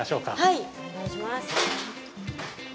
はいお願いします。